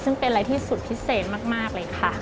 ซึ่งเป็นอะไรที่สุดพิเศษมากเลยค่ะ